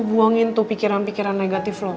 buangin tuh pikiran pikiran negatif lo